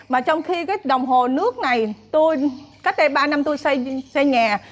mà trong khi cái đồng hồ nước này tôi cách đây ba năm tôi xây nhà